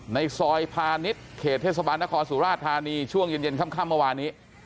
ในซอยพาณิชย์เขตเทศบาลนครสุราชธานีช่วงเย็นค่ำเมื่อวานนี้